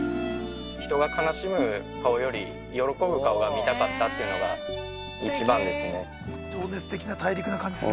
人が悲しむ顔より、喜ぶ顔が見たかったっていうのが、一番ですね。